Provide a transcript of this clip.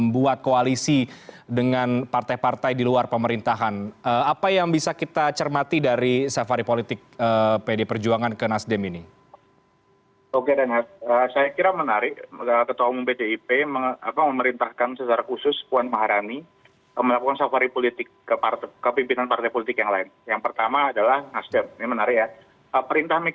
bagaimana perjuangan pdi perjuangan ini